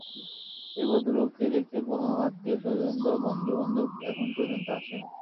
এই ভদ্রলোককে দেখতে কোনো আত্মীয়স্বজন বা বন্ধুবান্ধব এখন পর্যন্ত আসেনি।